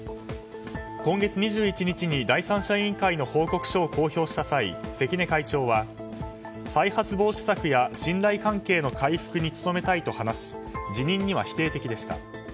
今月２１日に第三者委員会の報告書を公表した際関根会長は再発防止策や信頼関係の回復に努めたいと話し辞任には否定的でした。